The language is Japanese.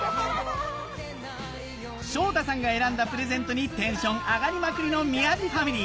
昇太さんが選んだプレゼントにテンション上がりまくりの宮治ファミリー